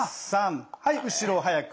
はい後ろ早く。